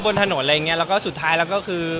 บนถนนอะไรอย่างเงี้แล้วก็สุดท้ายแล้วก็คือ